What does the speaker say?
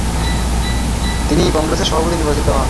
তিনি কংগ্রেসের সভাপতি নির্বাচিত হন।